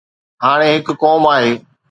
هاڻي هڪ قوم آهي.